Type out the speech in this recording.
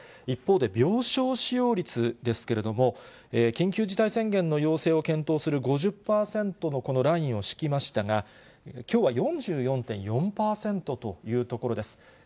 一方で、病床使用率ですけれども、緊急事態宣言の要請を検討する５０％のこのラインを敷きましたが、きょうは４４．４％というところです。